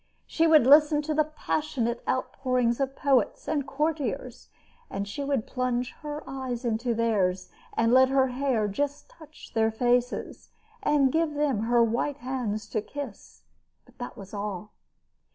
She would listen to the passionate outpourings of poets and courtiers, and she would plunge her eyes into theirs, and let her hair just touch their faces, and give them her white hands to kiss but that was all.